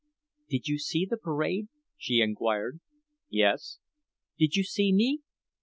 "Did you see the parade?" she inquired. "Yes." "Did you see me?"